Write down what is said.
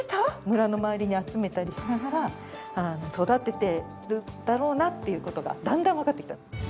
村の周りに集めたりしながら育ててるだろうなっていう事がだんだんわかってきた。